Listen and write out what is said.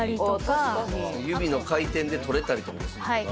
指の回転で取れたりとかもするねんな。